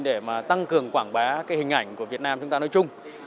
để mà tăng cường quảng bá cái hình ảnh của việt nam chúng ta nói chung